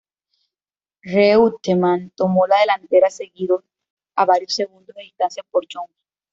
Reutemann tomó la delantera seguido a varios segundos de distancia por Jones.